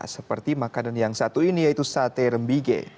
seperti makanan yang satu ini yaitu sate rembige